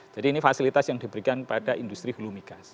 jadi ini fasilitas yang diberikan kepada industri hulumi gas